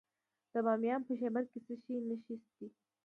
د بامیان په شیبر کې د څه شي نښې دي؟